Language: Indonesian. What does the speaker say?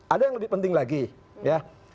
ada yang lebih penting lagi ya